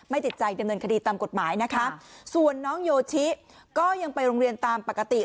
ติดใจดำเนินคดีตามกฎหมายนะคะส่วนน้องโยชิก็ยังไปโรงเรียนตามปกติ